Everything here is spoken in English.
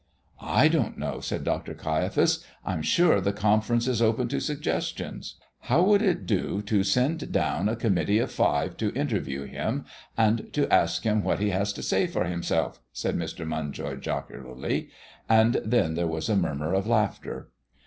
"I don't know," said Dr. Caiaphas. "I'm sure the conference is open to suggestions." "How would it do to send down a committee of five to interview him, and to ask him what he has to say for himself?" said Mr. Munjoy, jocularly. And then there was a murmur of laughter.